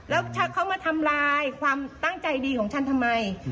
แล้วถ้าเขามาทำลายความตั้งใจดีของฉันทำไม